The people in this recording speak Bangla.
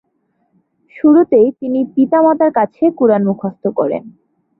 শুরুতে তিনি পিতামাতার কাছে "কুরআন" মুখস্থ করেন।